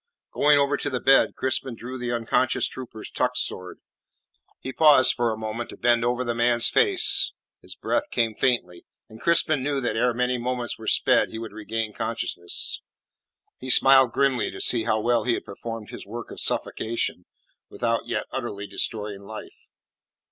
Going over to the bed, Crispin drew the unconscious trooper's tuck sword. He paused for a moment to bend over the man's face; his breath came faintly, and Crispin knew that ere many moments were sped he would regain consciousness. He smiled grimly to see how well he had performed his work of suffocation without yet utterly destroying life.